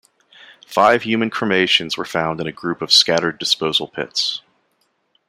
Five human cremations were found in a group of scattered disposal pits.